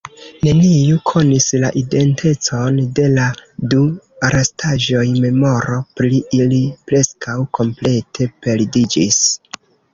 Neniu konis la identecon de la du restaĵoj, memoro pri ili preskaŭ komplete perdiĝis.